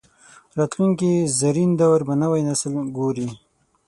راتلونکي زرین دور به نوی نسل ګوري